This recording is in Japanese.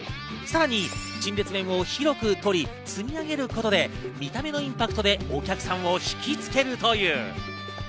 さらに陳列面を広く取り、積み上げることで、見た目のインパクトでお客さんを引き付けるという。